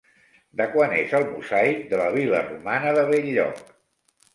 De quan és el mosaic de la vil·la romana de Bell-lloc?